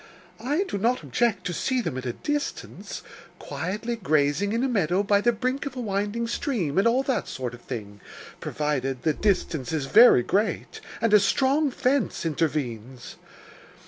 I do not object to see them at a distance, quietly grazing in a meadow by the brink of a winding stream, and all that sort of thing, provided the distance is very great, and a strong fence intervenes.